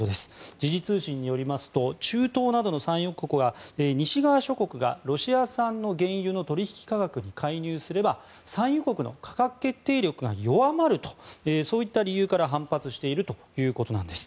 時事通信によりますと中東などの産油国が西側諸国がロシア産の原油の取引価格に介入すれば産油国の価格決定力が弱まるとそういった理由から反発しているということです。